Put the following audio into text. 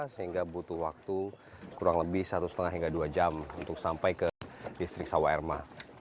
sehingga butuh waktu kurang lebih satu lima hingga dua jam untuk sampai ke distrik sawah erma